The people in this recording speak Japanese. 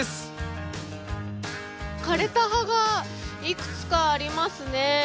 枯れた葉がいくつかありますね。